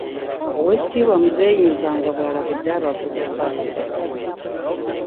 Oweekitiibwa Muzeeyi Mpanga bw'alabudde abavubuka.